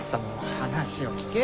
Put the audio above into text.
話を聞けよ。